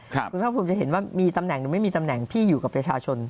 คุณภาคภูมิจะเห็นว่ามีตำแหน่งหรือไม่มีตำแหน่งที่อยู่กับประชาชน